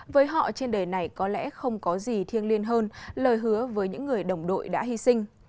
với họ trên đời này có lẽ không có gì thiêng liêng hơn lời hứa với những người đồng đội đã hy sinh